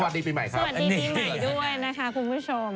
สวัสดีปีใหม่ด้วยนะคะคุณผู้ชม